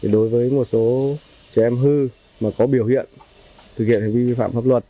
đối với một số trẻ em hư mà có biểu hiện thực hiện hành vi vi phạm pháp luật